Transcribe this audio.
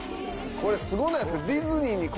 これすごないですか？